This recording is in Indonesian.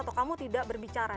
atau kamu tidak berbicara